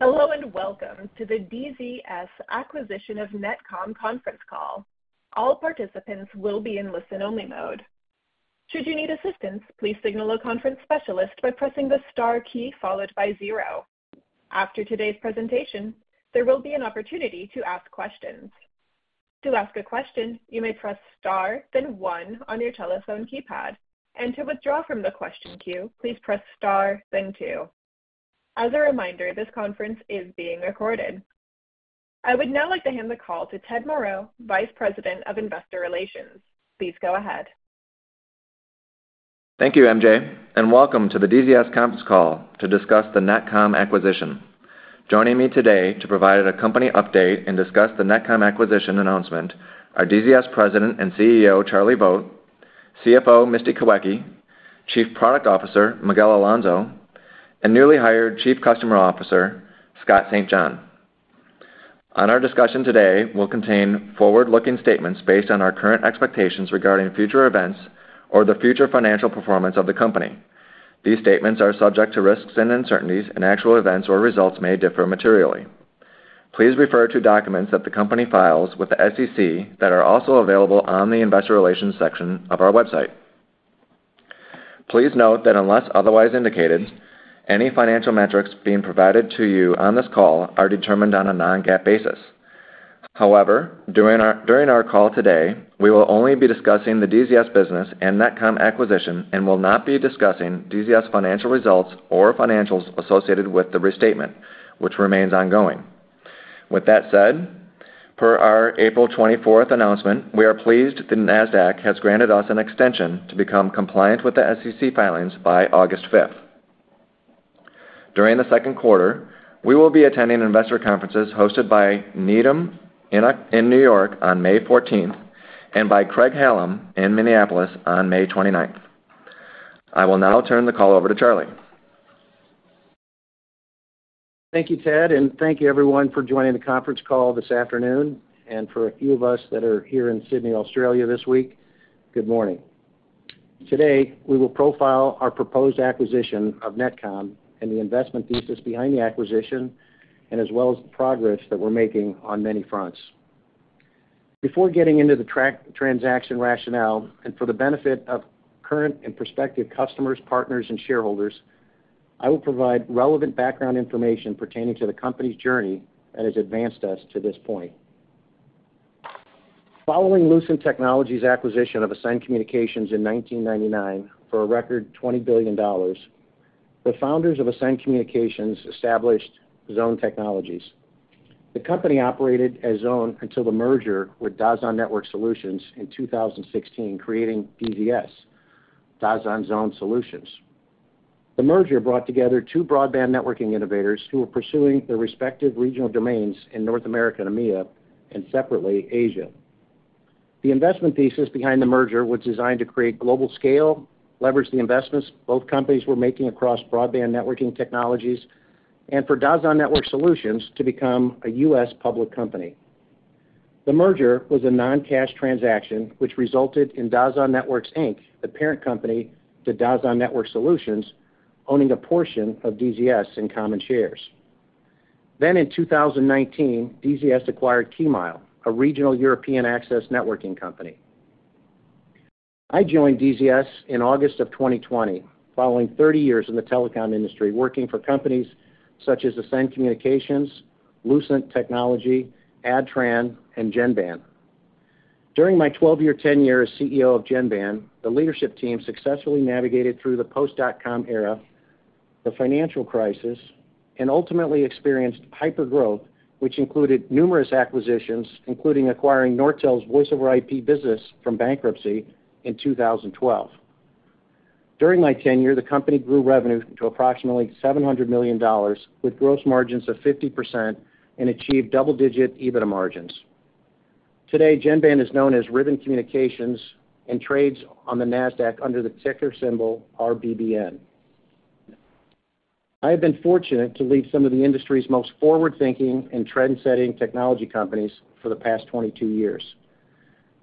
Hello, and welcome to the DZS acquisition of NetComm conference call. All participants will be in listen-only mode. Should you need assistance, please signal a conference specialist by pressing the star key followed by zero. After today's presentation, there will be an opportunity to ask questions. To ask a question, you may press star, then one on your telephone keypad, and to withdraw from the question queue, please press star, then two. As a reminder, this conference is being recorded. I would now like to hand the call to Ted Moreau, Vice President of Investor Relations. Please go ahead. Thank you, MJ, and welcome to the DZS conference call to discuss the NetComm acquisition. Joining me today to provide a company update and discuss the NetComm acquisition announcement are DZS President and CEO, Charlie Vogt, CFO, Misty Kawecki, Chief Product Officer, Miguel Alonso, and newly hired Chief Customer Officer, Scott St. John. On our discussion today, we'll contain forward-looking statements based on our current expectations regarding future events or the future financial performance of the company. These statements are subject to risks and uncertainties, and actual events or results may differ materially. Please refer to documents that the company files with the SEC that are also available on the investor relations section of our website. Please note that unless otherwise indicated, any financial metrics being provided to you on this call are determined on a non-GAAP basis. However, during our call today, we will only be discussing the DZS business and NetComm acquisition and will not be discussing DZS financial results or financials associated with the restatement, which remains ongoing. With that said, per our April 24th announcement, we are pleased the Nasdaq has granted us an extension to become compliant with the SEC filings by August 5th. During the second quarter, we will be attending investor conferences hosted by Needham in New York on May 14th and by Craig-Hallum in Minneapolis on May 29th. I will now turn the call over to Charlie. Thank you, Ted, and thank you everyone for joining the conference call this afternoon, and for a few of us that are here in Sydney, Australia this week, good morning. Today, we will profile our proposed acquisition of NetComm and the investment thesis behind the acquisition, and as well as the progress that we're making on many fronts. Before getting into the transaction rationale, and for the benefit of current and prospective customers, partners, and shareholders, I will provide relevant background information pertaining to the company's journey that has advanced us to this point. Following Lucent Technologies' acquisition of Ascend Communications in 1999 for a record $20 billion, the founders of Ascend Communications established Zhone Technologies. The company operated as Zhone until the merger with DASAN Network Solutions in 2016, creating DZS, DASAN Zhone Solutions. The merger brought together two broadband networking innovators who were pursuing their respective regional domains in North America and EMEA, and separately, Asia. The investment thesis behind the merger was designed to create global scale, leverage the investments both companies were making across broadband networking technologies, and for DASAN Network Solutions to become a U.S. public company. The merger was a non-cash transaction, which resulted in DASAN Networks Inc., the parent company to DASAN Network Solutions, owning a portion of DZS in common shares. Then, in 2019, DZS acquired KEYMILE, a regional European access networking company. I joined DZS in August of 2020, following 30 years in the telecom industry, working for companies such as Ascend Communications, Lucent Technologies, Adtran, and Genband. During my 12 year tenure as CEO of Genband, the leadership team successfully navigated through the post-dot com era, the financial crisis, and ultimately experienced hypergrowth, which included numerous acquisitions, including acquiring Nortel's voice-over IP business from bankruptcy in 2012. During my tenure, the company grew revenue to approximately $700 million, with gross margins of 50% and achieved double-digit EBITDA margins. Today, Genband is known as Ribbon Communications and trades on the Nasdaq under the ticker symbol RBBN. I have been fortunate to lead some of the industry's most forward-thinking and trendsetting technology companies for the past 22 years.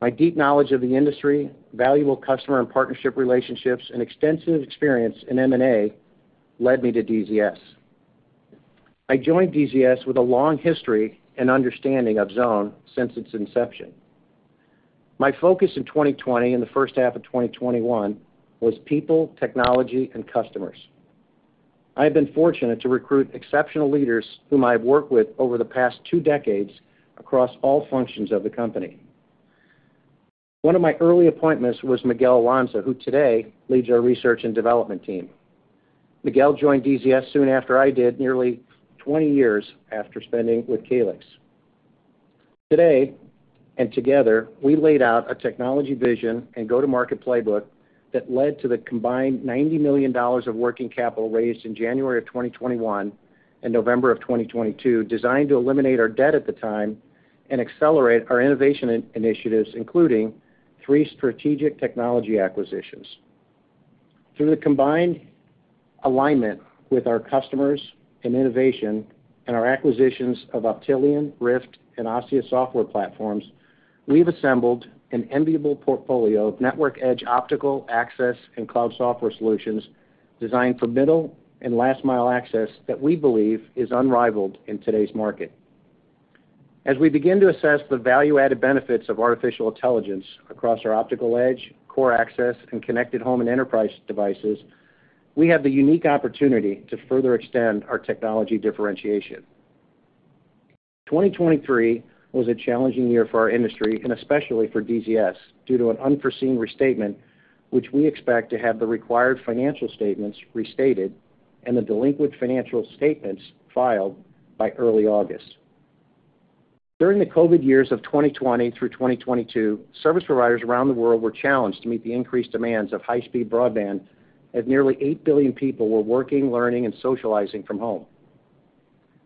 My deep knowledge of the industry, valuable customer and partnership relationships, and extensive experience in M&A led me to DZS. I joined DZS with a long history and understanding of Zhone since its inception. My focus in 2020 and the first half of 2021 was people, technology and customers. I have been fortunate to recruit exceptional leaders whom I have worked with over the past two decades across all functions of the company. One of my early appointments was Miguel Alonso, who today leads our research and development team. Miguel joined DZS soon after I did, nearly 20 years after spending with Calix. Today, and together, we laid out a technology vision and go-to-market playbook that led to the combined $90 million of working capital raised in January of 2021 and November of 2022, designed to eliminate our debt at the time and accelerate our innovation initiatives, including three strategic technology acquisitions. Through the combined alignment with our customers and innovation and our acquisitions of Optelian, RIFT, and ASSIA Software Platforms, we've assembled an enviable portfolio of network edge, optical access, and cloud software solutions designed for middle and last mile access that we believe is unrivaled in today's market. As we begin to assess the value-added benefits of artificial intelligence across our optical edge, core access, and connected home and enterprise devices, we have the unique opportunity to further extend our technology differentiation. 2023 was a challenging year for our industry and especially for DZS, due to an unforeseen restatement, which we expect to have the required financial statements restated and the delinquent financial statements filed by early August. During the COVID years of 2020 through 2022, service providers around the world were challenged to meet the increased demands of high-speed broadband, as nearly eight billion people were working, learning, and socializing from home.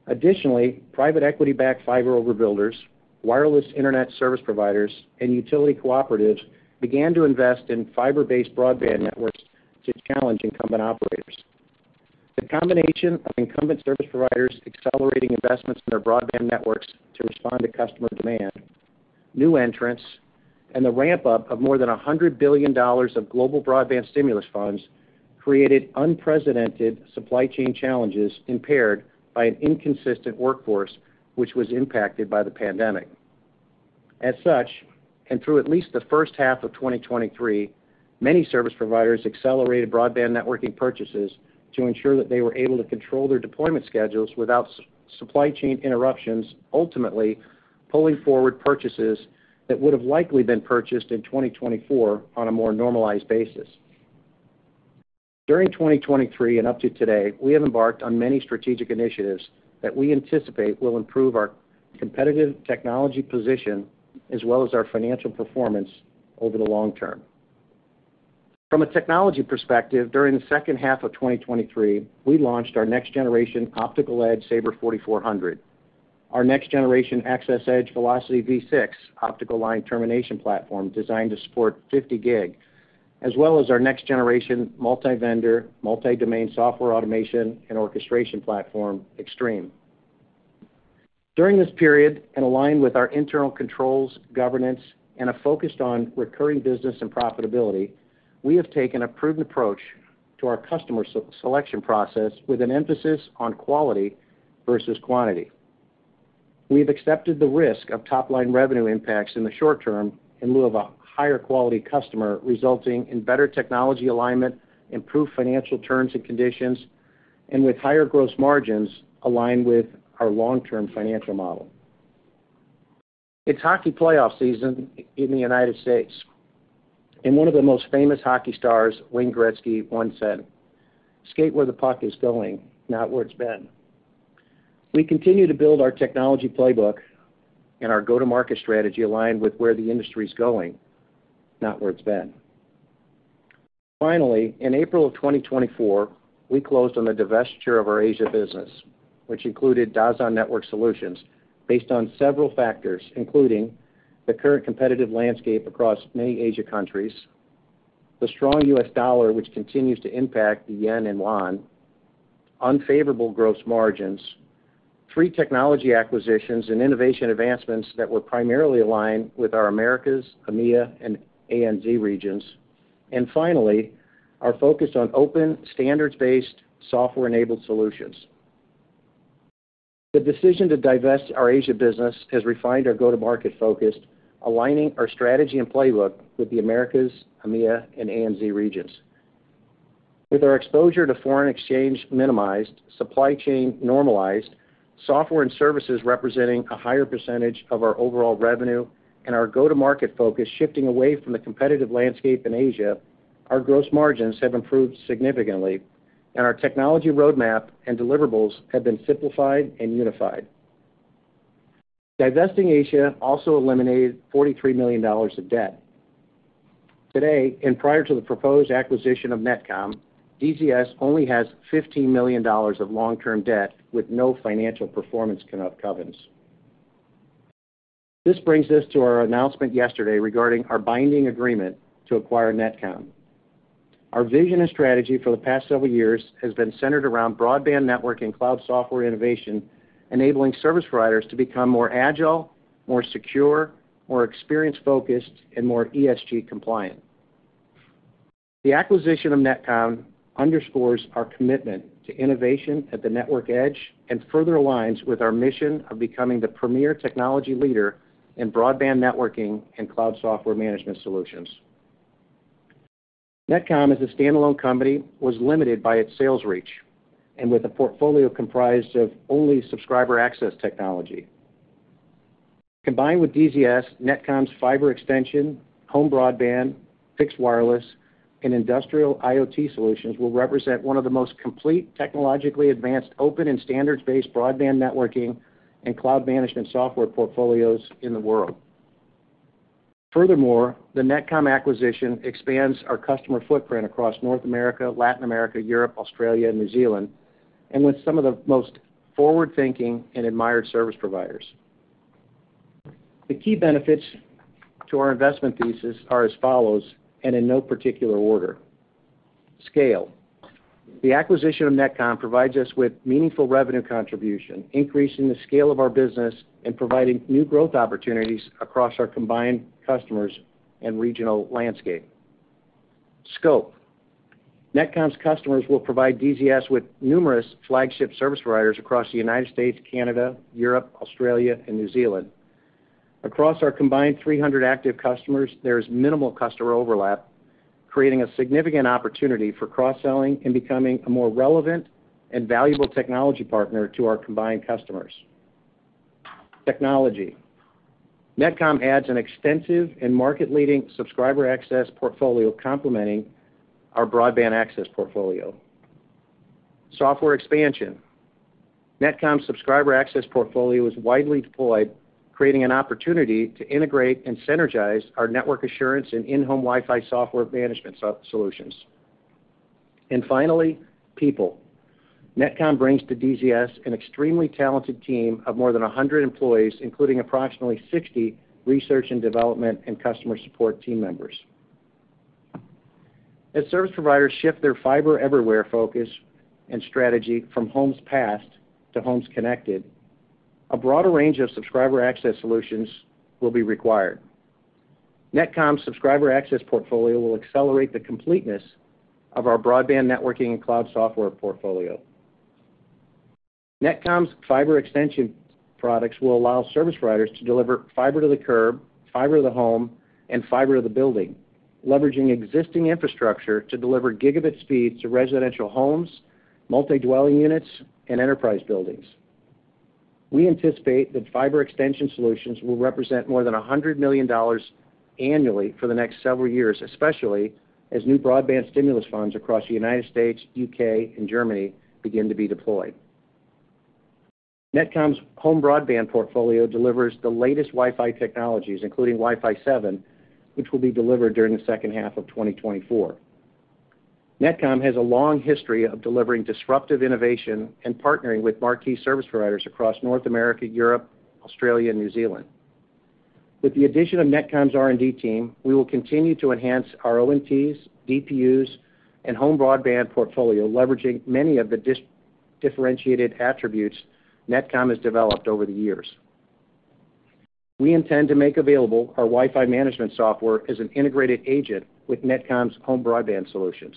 Additionally, private equity-backed fiber overbuilders, wireless internet service providers, and utility cooperatives began to invest in fiber-based broadband networks to challenge incumbent operators. The combination of incumbent service providers accelerating investments in their broadband networks to respond to customer demand, new entrants, and the ramp-up of more than $100 billion of global broadband stimulus funds created unprecedented supply chain challenges impaired by an inconsistent workforce, which was impacted by the pandemic. As such, and through at least the first half of 2023, many service providers accelerated broadband networking purchases to ensure that they were able to control their deployment schedules without supply chain interruptions, ultimately pulling forward purchases that would have likely been purchased in 2024 on a more normalized basis. During 2023 and up to today, we have embarked on many strategic initiatives that we anticipate will improve our competitive technology position, as well as our financial performance over the long term. From a technology perspective, during the second half of 2023, we launched our next-generation optical edge Saber 4400, our next-generation access edge Velocity V6 optical line termination platform, designed to support 50 GB, as well as our next-generation multi-vendor, multi-domain software automation and orchestration platform, Xtreme. During this period, and aligned with our internal controls, governance, and a focus on recurring business and profitability, we have taken a prudent approach to our customer selection process with an emphasis on quality versus quantity. We've accepted the risk of top-line revenue impacts in the short term in lieu of a higher quality customer, resulting in better technology alignment, improved financial terms and conditions, and with higher gross margins aligned with our long-term financial model. It's hockey playoff season in the United States, and one of the most famous hockey stars, Wayne Gretzky, once said, "Skate where the puck is going, not where it's been." We continue to build our technology playbook and our go-to-market strategy aligned with where the industry is going, not where it's been. Finally, in April of 2024, we closed on the divestiture of our Asia business, which included DASAN Network Solutions, based on several factors, including the current competitive landscape across many Asia countries, the strong U.S. dollar, which continues to impact the yen and yuan, unfavorable gross margins, three technology acquisitions and innovation advancements that were primarily aligned with our Americas, EMEA, and ANZ regions, and finally, our focus on open, standards-based, software-enabled solutions. The decision to divest our Asia business has refined our go-to-market focus, aligning our strategy and playbook with the Americas, EMEA, and ANZ regions. With our exposure to foreign exchange minimized, supply chain normalized, software and services representing a higher percentage of our overall revenue, and our go-to-market focus shifting away from the competitive landscape in Asia, our gross margins have improved significantly, and our technology roadmap and deliverables have been simplified and unified. Divesting Asia also eliminated $43 million of debt. Today, and prior to the proposed acquisition of NetComm, DZS only has $15 million of long-term debt with no financial performance covenants. This brings us to our announcement yesterday regarding our binding agreement to acquire NetComm. Our vision and strategy for the past several years has been centered around broadband network and cloud software innovation, enabling service providers to become more agile, more secure, more experience-focused, and more ESG compliant. The acquisition of NetComm underscores our commitment to innovation at the network edge and further aligns with our mission of becoming the premier technology leader in broadband networking and cloud software management solutions. NetComm, as a standalone company, was limited by its sales reach, and with a portfolio comprised of only subscriber access technology. Combined with DZS, NetComm's fiber extension, home broadband, fixed wireless, and industrial IoT solutions will represent one of the most complete, technologically advanced, open and standards-based broadband networking and cloud management software portfolios in the world. Furthermore, the NetComm acquisition expands our customer footprint across North America, Latin America, Europe, Australia, and New Zealand, and with some of the most forward-thinking and admired service providers. The key benefits to our investment thesis are as follows, and in no particular order. Scale. The acquisition of NetComm provides us with meaningful revenue contribution, increasing the scale of our business and providing new growth opportunities across our combined customers and regional landscape.... Scope. NetComm's customers will provide DZS with numerous flagship service providers across the United States, Canada, Europe, Australia, and New Zealand. Across our combined 300 active customers, there is minimal customer overlap, creating a significant opportunity for cross-selling and becoming a more relevant and valuable technology partner to our combined customers. Technology. NetComm adds an extensive and market-leading subscriber access portfolio, complementing our broadband access portfolio. Software expansion. NetComm's subscriber access portfolio is widely deployed, creating an opportunity to integrate and synergize our network assurance and in-home Wi-Fi software management solutions. And finally, people. NetComm brings to DZS an extremely talented team of more than 100 employees, including approximately 60 research and development and customer support team members. As service providers shift their fiber everywhere focus and strategy from homes passed to homes connected, a broader range of subscriber access solutions will be required. NetComm's subscriber access portfolio will accelerate the completeness of our broadband networking and cloud software portfolio. NetComm's fiber extension products will allow service providers to deliver fiber to the curb, fiber to the home, and fiber to the building, leveraging existing infrastructure to deliver gigabit speeds to residential homes, multi-dwelling units, and enterprise buildings. We anticipate that fiber extension solutions will represent more than $100 million annually for the next several years, especially as new broadband stimulus funds across the United States, U.K., and Germany begin to be deployed. NetComm's home broadband portfolio delivers the latest Wi-Fi technologies, including Wi-Fi 7, which will be delivered during the second half of 2024. NetComm has a long history of delivering disruptive innovation and partnering with marquee service providers across North America, Europe, Australia, and New Zealand. With the addition of NetComm's R&D team, we will continue to enhance our ONTs, DPUs, and home broadband portfolio, leveraging many of the differentiated attributes NetComm has developed over the years. We intend to make available our Wi-Fi management software as an integrated agent with NetComm's home broadband solutions.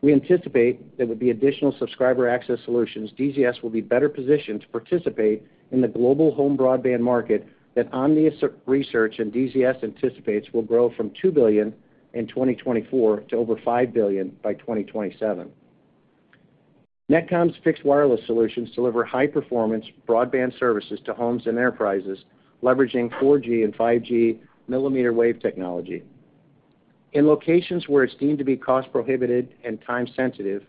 We anticipate there will be additional subscriber access solutions. DZS will be better positioned to participate in the global home broadband market that Omdia Research and DZS anticipates will grow from $2 billion in 2024 to over $5 billion by 2027. NetComm's fixed wireless solutions deliver high-performance broadband services to homes and enterprises, leveraging 4G and 5G millimeter wave technology. In locations where it's deemed to be cost-prohibitive and time-sensitive,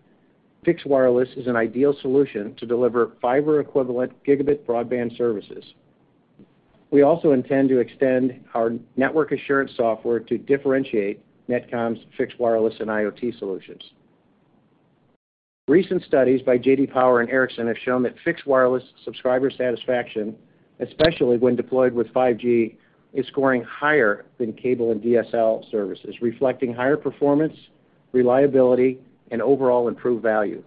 fixed wireless is an ideal solution to deliver fiber-equivalent gigabit broadband services. We also intend to extend our network assurance software to differentiate NetComm's fixed, wireless, and IoT solutions. Recent studies by J.D. Power and Ericsson have shown that fixed wireless subscriber satisfaction, especially when deployed with 5G, is scoring higher than cable and DSL services, reflecting higher performance, reliability, and overall improved value.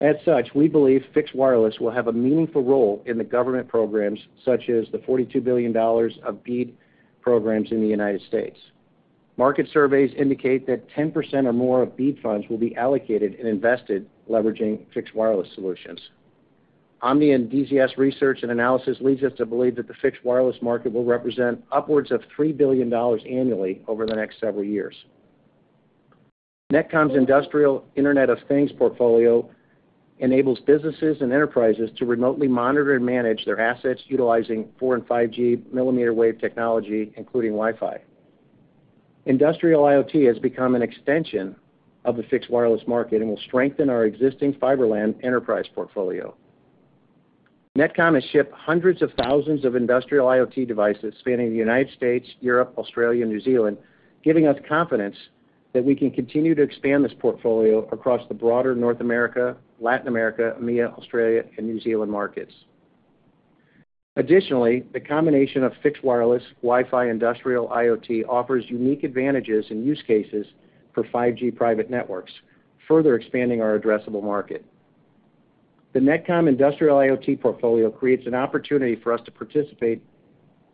As such, we believe fixed wireless will have a meaningful role in the government programs, such as the $42 billion of BEAD programs in the United States. Market surveys indicate that 10% or more of BEAD funds will be allocated and invested leveraging fixed wireless solutions. Omdia and DZS research and analysis leads us to believe that the fixed wireless market will represent upwards of $3 billion annually over the next several years. NetComm's industrial Internet of Things portfolio enables businesses and enterprises to remotely monitor and manage their assets, utilizing 4G and 5G millimeter wave technology, including Wi-Fi. Industrial IoT has become an extension of the fixed wireless market and will strengthen our existing FiberLAN enterprise portfolio. NetComm has shipped hundreds of thousands of industrial IoT devices spanning the United States, Europe, Australia, and New Zealand, giving us confidence that we can continue to expand this portfolio across the broader North America, Latin America, EMEA, Australia, and New Zealand markets. Additionally, the combination of fixed wireless, Wi-Fi, industrial, IoT, offers unique advantages and use cases for 5G private networks, further expanding our addressable market. The NetComm industrial IoT portfolio creates an opportunity for us to participate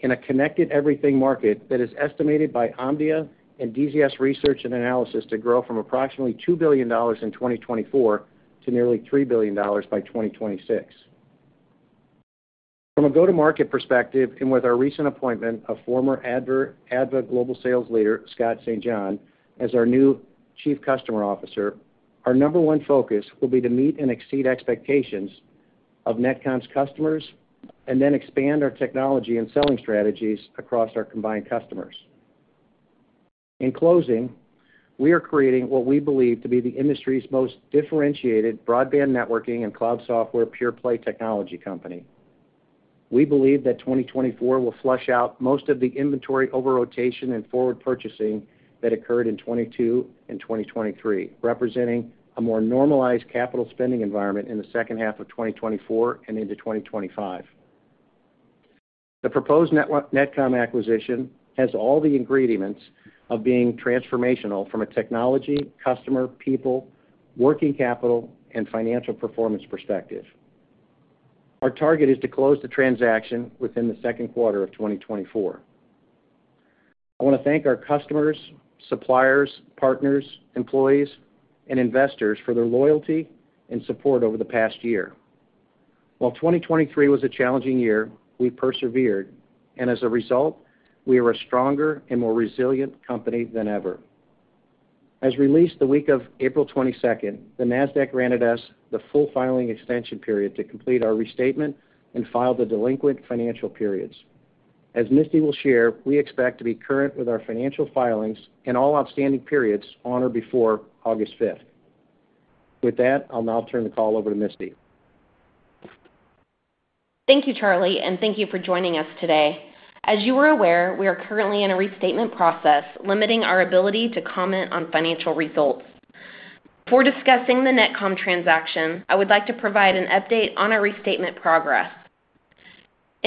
in a connected everything market that is estimated by Omdia and DZS Research and Analysis to grow from approximately $2 billion in 2024 to nearly $3 billion by 2026. From a go-to-market perspective, and with our recent appointment of former ADVA global sales leader, Scott St. John, as our new Chief Customer Officer, our number one focus will be to meet and exceed expectations of NetComm's customers, and then expand our technology and selling strategies across our combined customers. In closing, we are creating what we believe to be the industry's most differentiated broadband networking and cloud software pure-play technology company. We believe that 2024 will flush out most of the inventory over-rotation and forward purchasing that occurred in 2022 and 2023, representing a more normalized capital spending environment in the second half of 2024 and into 2025. The proposed NetComm acquisition has all the ingredients of being transformational from a technology, customer, people, working capital, and financial performance perspective. Our target is to close the transaction within the second quarter of 2024. I want to thank our customers, suppliers, partners, employees, and investors for their loyalty and support over the past year. While 2023 was a challenging year, we persevered, and as a result, we are a stronger and more resilient company than ever. As released the week of April 22nd, the Nasdaq granted us the full filing extension period to complete our restatement and file the delinquent financial periods. As Misty will share, we expect to be current with our financial filings in all outstanding periods on or before August fifth. With that, I'll now turn the call over to Misty. Thank you, Charlie, and thank you for joining us today. As you are aware, we are currently in a restatement process, limiting our ability to comment on financial results. Before discussing the NetComm transaction, I would like to provide an update on our restatement progress.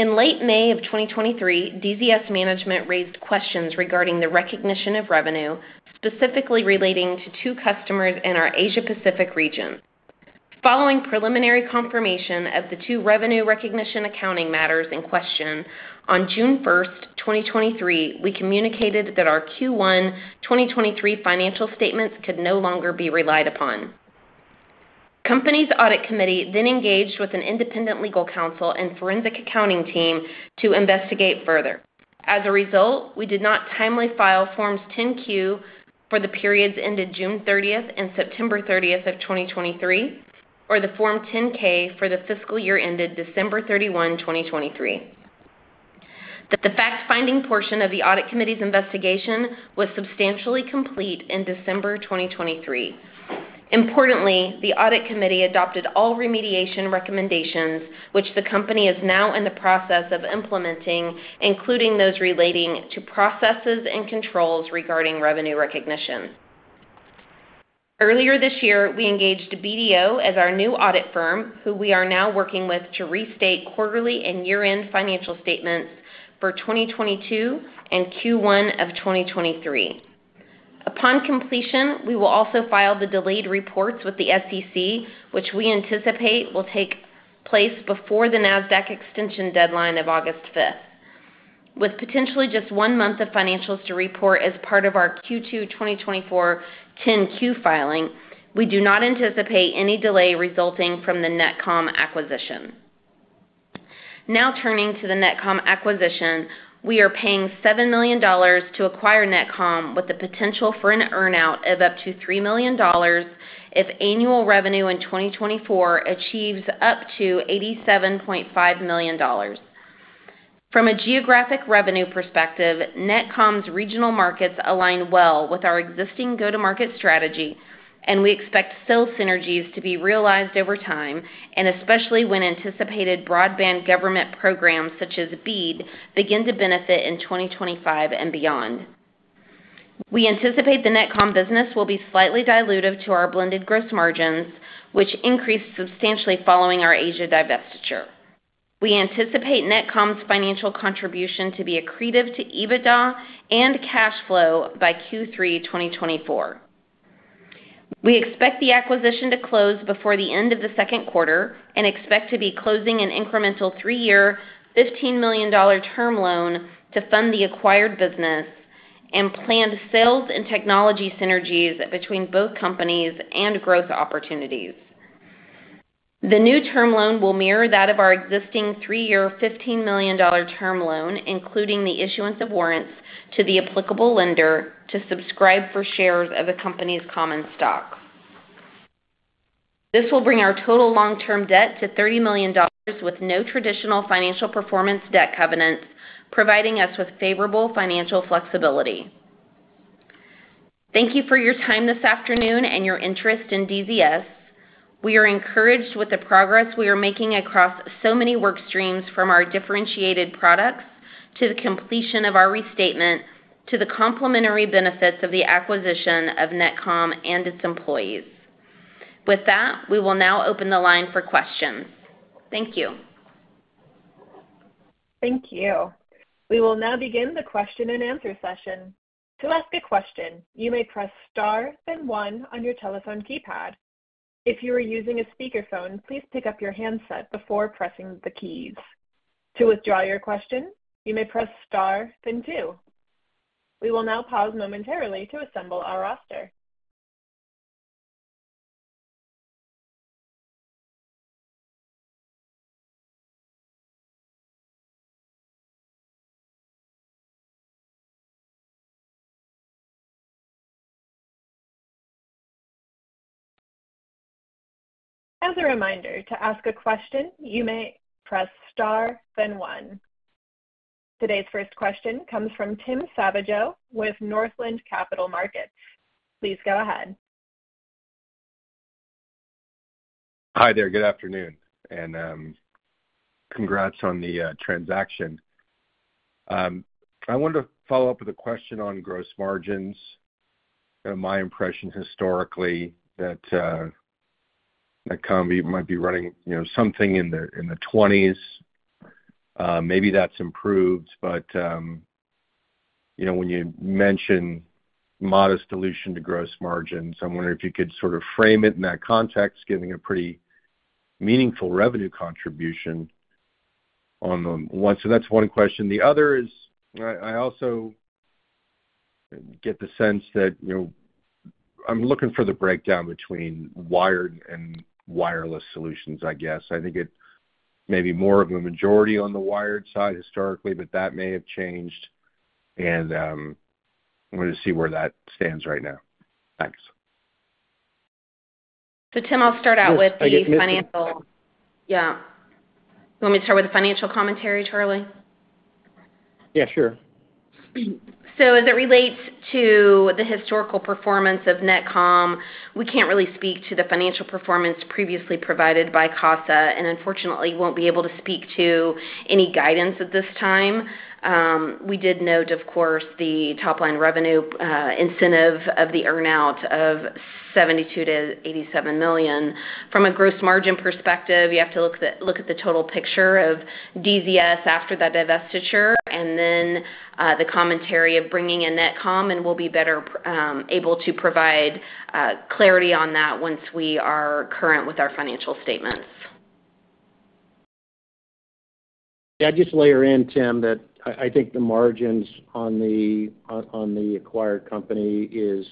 In late May 2023, DZS management raised questions regarding the recognition of revenue, specifically relating to two customers in our Asia Pacific region. Following preliminary confirmation of the two revenue recognition accounting matters in question, on June 1st, 2023, we communicated that our Q1 2023 financial statements could no longer be relied upon. Company's Audit Committee then engaged with an independent legal counsel and forensic accounting team to investigate further. As a result, we did not timely file Forms 10-Q for the periods ended June 30th and September 30th of 2023, or the Form 10-K for the fiscal year ended December 31st, 2023. That the fact-finding portion of the Audit Committee's investigation was substantially complete in December 2023. Importantly, the Audit Committee adopted all remediation recommendations, which the company is now in the process of implementing, including those relating to processes and controls regarding revenue recognition. Earlier this year, we engaged BDO as our new audit firm, who we are now working with to restate quarterly and year-end financial statements for 2022 and Q1 of 2023. Upon completion, we will also file the delayed reports with the SEC, which we anticipate will take place before the Nasdaq extension deadline of August 5th. With potentially just one month of financials to report as part of our Q2 2024 10-Q filing, we do not anticipate any delay resulting from the NetComm acquisition. Now turning to the NetComm acquisition, we are paying $7 million to acquire NetComm, with the potential for an earn-out of up to $3 million if annual revenue in 2024 achieves up to $87.5 million. From a geographic revenue perspective, NetComm's regional markets align well with our existing go-to-market strategy, and we expect sales synergies to be realized over time, and especially when anticipated broadband government programs, such as BEAD, begin to benefit in 2025 and beyond. We anticipate the NetComm business will be slightly dilutive to our blended gross margins, which increased substantially following our Asia divestiture. We anticipate NetComm's financial contribution to be accretive to EBITDA and cash flow by Q3 2024. We expect the acquisition to close before the end of the second quarter and expect to be closing an incremental three year, $15 million term loan to fund the acquired business and planned sales and technology synergies between both companies and growth opportunities. The new term loan will mirror that of our existing three year, $15 million term loan, including the issuance of warrants to the applicable lender to subscribe for shares of the company's common stock. This will bring our total long-term debt to $30 million with no traditional financial performance debt covenants, providing us with favorable financial flexibility. Thank you for your time this afternoon and your interest in DZS. We are encouraged with the progress we are making across so many work streams, from our differentiated products to the completion of our restatement, to the complementary benefits of the acquisition of NetComm and its employees. With that, we will now open the line for questions. Thank you. Thank you. We will now begin the question-and-answer session. To ask a question, you may press star, then one on your telephone keypad. If you are using a speakerphone, please pick up your handset before pressing the keys. To withdraw your question, you may press star, then two. We will now pause momentarily to assemble our roster. As a reminder, to ask a question, you may press star, then one. Today's first question comes from Tim Savageaux with Northland Capital Markets. Please go ahead. Hi there. Good afternoon, and, congrats on the, transaction. I wanted to follow up with a question on gross margins. My impression historically that, NetComm might be running, you know, something in the, in the twenties. Maybe that's improved, but, you know, when you mention modest dilution to gross margins, I'm wondering if you could sort of frame it in that context, giving a pretty meaningful revenue contribution on the one. So that's one question. The other is, I also get the sense that, you know, I'm looking for the breakdown between wired and wireless solutions, I guess. I think it may be more of a majority on the wired side historically, but that may have changed, and, I wanted to see where that stands right now. Thanks. So, Tim, I'll start out with the financial. Yeah. You want me to start with the financial commentary, Charlie? Yeah, sure. So as it relates to the historical performance of NetComm, we can't really speak to the financial performance previously provided by Casa, and unfortunately, won't be able to speak to any guidance at this time. We did note, of course, the top-line revenue incentive of the earn-out of $72 million-$87 million. From a gross margin perspective, you have to look at the, look at the total picture of DZS after the divestiture and then, the commentary of bringing in NetComm, and we'll be better, able to provide, clarity on that once we are current with our financial statements. Yeah, I'd just layer in, Tim, that I think the margins on the acquired company is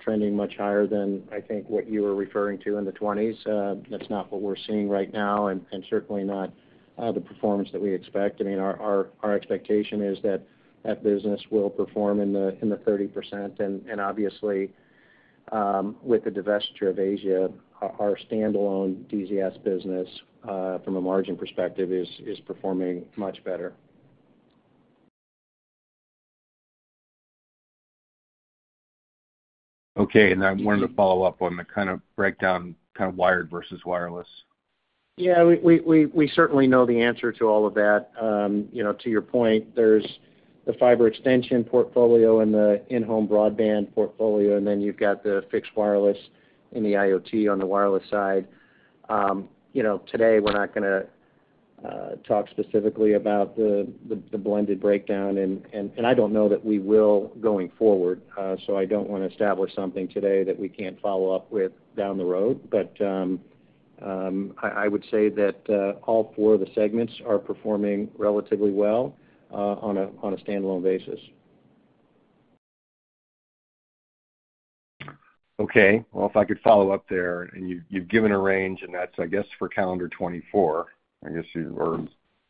trending much higher than I think what you were referring to in the 20s. That's not what we're seeing right now and certainly not the performance that we expect. I mean, our expectation is that that business will perform in the 30%. And obviously, with the divestiture of Asia, our standalone DZS business from a margin perspective is performing much better. Okay. I wanted to follow up on the kind of breakdown, kind of wired versus wireless. Yeah, we certainly know the answer to all of that. You know, to your point, there's the fiber extension portfolio and the in-home broadband portfolio, and then you've got the fixed wireless and the IoT on the wireless side. You know, today, we're not gonna talk specifically about the blended breakdown, and I don't know that we will going forward, so I don't want to establish something today that we can't follow up with down the road. But I would say that all four of the segments are performing relatively well on a standalone basis. Okay. Well, if I could follow up there, and you've, you've given a range, and that's, I guess, for calendar 2024, I guess, you, or,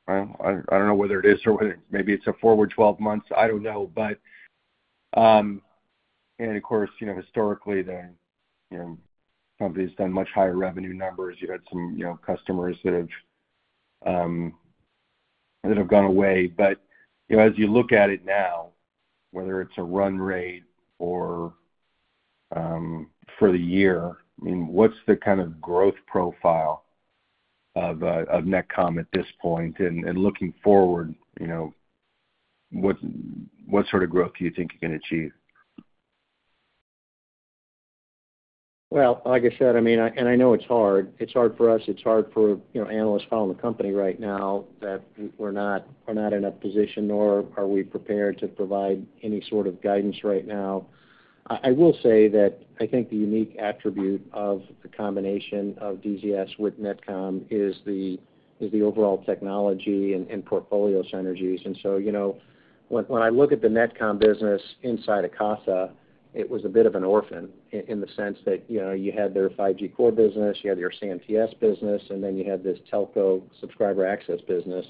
well, I, I don't know whether it is or whether maybe it's a forward 12 months, I don't know. But, and of course, you know, historically, the, you know, company's done much higher revenue numbers. You've had some, you know, customers that have, that have gone away. But, you know, as you look at it now, whether it's a run rate or, for the year, I mean, what's the kind of growth profile of, of NetComm at this point? And, and looking forward, you know, what, what sort of growth do you think you can achieve? Well, like I said, I mean, and I know it's hard. It's hard for us, it's hard for, you know, analysts following the company right now, that we're not, we're not in a position, nor are we prepared to provide any sort of guidance right now. I, I will say that I think the unique attribute of the combination of DZS with NetComm is the, is the overall technology and, and portfolio synergies. And so, you know, when, when I look at the NetComm business inside of Casa, it was a bit of an orphan in the sense that, you know, you had their 5G core business, you had your CMTS business, and then you had this telco subscriber access business.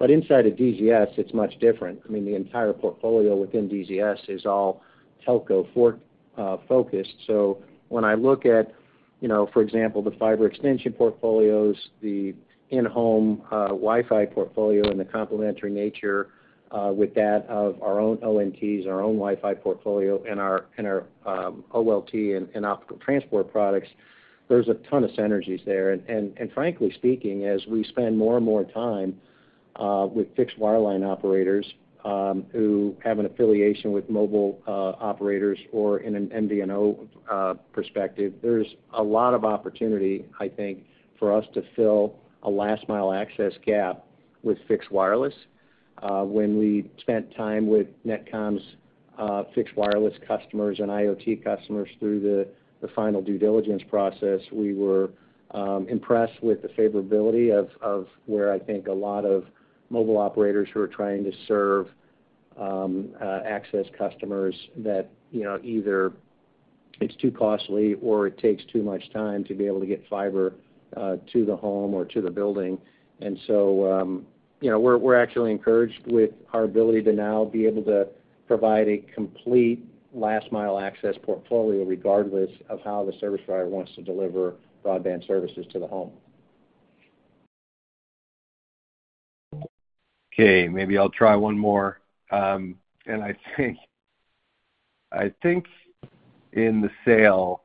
But inside of DZS, it's much different. I mean, the entire portfolio within DZS is all telco-focused. So when I look at, you know, for example, the fiber extension portfolios, the in-home, Wi-Fi portfolio, and the complementary nature, with that of our own ONTs, our own Wi-Fi portfolio, and our, and our, OLT and, and optical transport products, there's a ton of synergies there. And, frankly speaking, as we spend more and more time, with fixed wireline operators, who have an affiliation with mobile, operators or in an MVNO, perspective, there's a lot of opportunity, I think, for us to fill a last-mile access gap with fixed wireless. When we spent time with NetComm's fixed wireless customers and IoT customers through the final due diligence process, we were impressed with the favorability of where I think a lot of mobile operators who are trying to serve access customers that, you know, either it's too costly or it takes too much time to be able to get fiber to the home or to the building. And so, you know, we're actually encouraged with our ability to now be able to provide a complete last-mile access portfolio, regardless of how the service provider wants to deliver broadband services to the home. Okay, maybe I'll try one more. And I think in the sale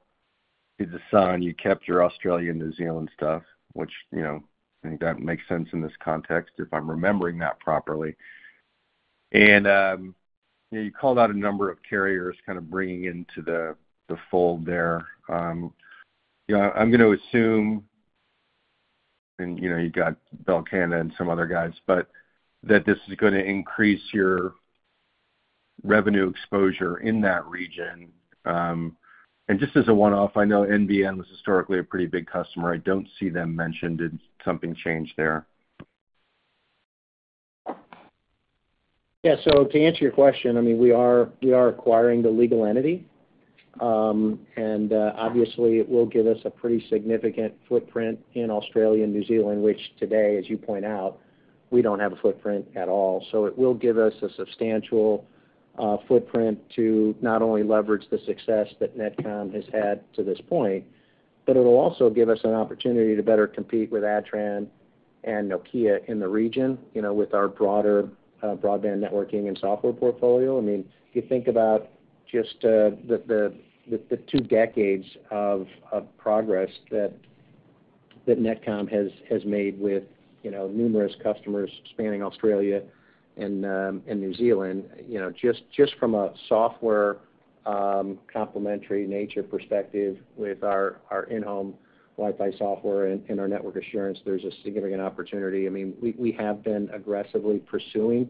to DASAN, you kept your Australian, New Zealand stuff, which, you know, I think that makes sense in this context, if I'm remembering that properly... And, you know, you called out a number of carriers kind of bringing into the fold there. You know, I'm gonna assume, and, you know, you got Bell Canada and some other guys, but that this is gonna increase your revenue exposure in that region. And just as a one-off, I know NBN was historically a pretty big customer. I don't see them mentioned. Did something change there? Yeah. So to answer your question, I mean, we are acquiring the legal entity. And, obviously, it will give us a pretty significant footprint in Australia and New Zealand, which today, as you point out, we don't have a footprint at all. So it will give us a substantial footprint to not only leverage the success that NetComm has had to this point, but it'll also give us an opportunity to better compete with Adtran and Nokia in the region, you know, with our broader broadband networking and software portfolio. I mean, if you think about just the two decades of progress that NetComm has made with, you know, numerous customers spanning Australia and New Zealand, you know, just from a software complementary nature perspective with our in-home Wi-Fi software and our network assurance, there's a significant opportunity. I mean, we have been aggressively pursuing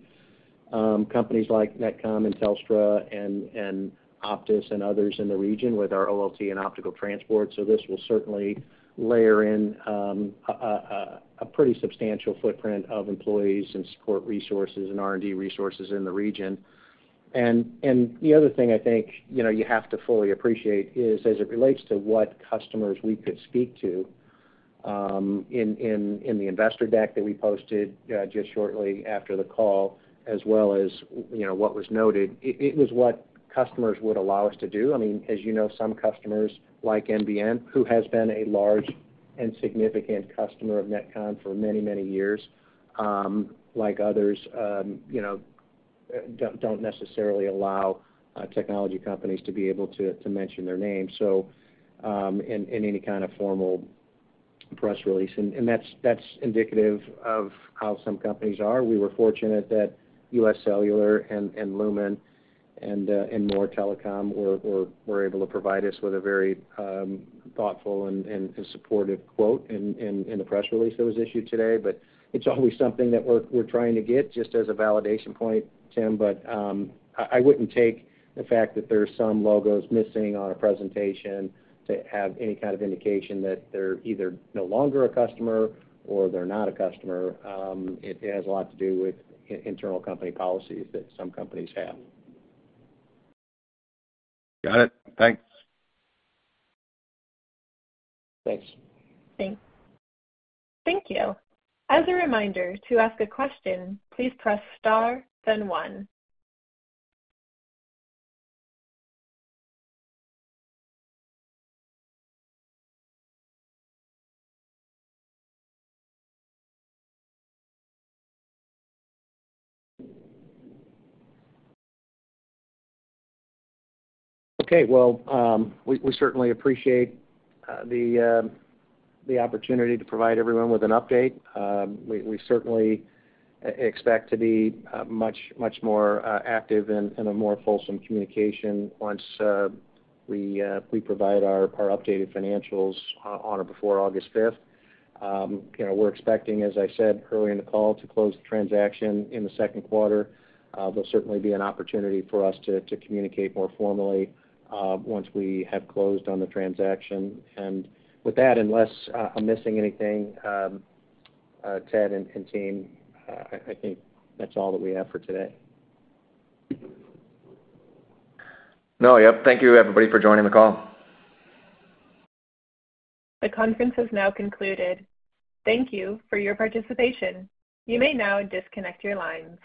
companies like NetComm and Telstra and Optus and others in the region with our OLT and optical transport. So this will certainly layer in a pretty substantial footprint of employees and support resources and R&D resources in the region. The other thing I think, you know, you have to fully appreciate is, as it relates to what customers we could speak to, in the investor deck that we posted just shortly after the call, as well as, you know, what was noted, it was what customers would allow us to do. I mean, as you know, some customers, like NBN, who has been a large and significant customer of NetComm for many, many years, like others, you know, don't necessarily allow technology companies to be able to mention their name, so in any kind of formal press release. And that's indicative of how some companies are. We were fortunate that UScellular and Lumen and More Telecom were able to provide us with a very thoughtful and a supportive quote in the press release that was issued today. But it's always something that we're trying to get just as a validation point, Tim, but I wouldn't take the fact that there are some logos missing on a presentation to have any kind of indication that they're either no longer a customer or they're not a customer. It has a lot to do with internal company policies that some companies have. Got it. Thanks. Thanks. Thank you. As a reminder, to ask a question, please press star, then one. Okay. Well, we certainly appreciate the opportunity to provide everyone with an update. We certainly expect to be much more active and a more fulsome communication once we provide our updated financials on or before August 5th. You know, we're expecting, as I said earlier in the call, to close the transaction in the second quarter. There'll certainly be an opportunity for us to communicate more formally once we have closed on the transaction. And with that, unless I'm missing anything, Ted and team, I think that's all that we have for today. No. Yep, thank you, everybody, for joining the call. The conference has now concluded. Thank you for your participation. You may now disconnect your lines.